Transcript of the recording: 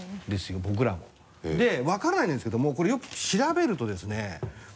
で分からないんですけどもこれよく調べるとですね